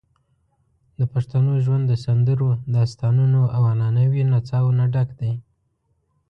د پښتنو ژوند د سندرو، داستانونو، او عنعنوي نڅاوو نه ډک دی.